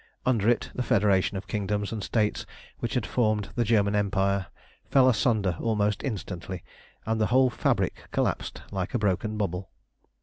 Under it the federation of kingdoms and states which had formed the German Empire fell asunder almost instantly, and the whole fabric collapsed like a broken bubble.